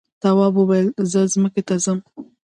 تواب وویل زه ځمکې ته ځم.